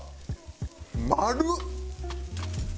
丸っ！